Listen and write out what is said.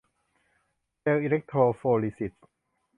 เจลอิเล็กโทรโฟริซิส